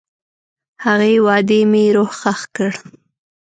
هغې وعدې مې روح ښخ کړ.